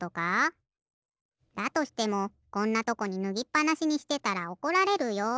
だとしてもこんなとこにぬぎっぱなしにしてたらおこられるよ。